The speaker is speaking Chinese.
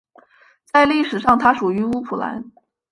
在历史上它属于乌普兰。